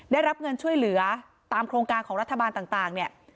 ได้รับเงินช่วยเหลือตามโครงการของรัฐบาลต่างเนี่ย